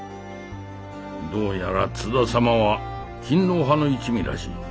どうやら津田様は勤皇派の一味らしい。